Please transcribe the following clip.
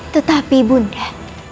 tetapi ibu nda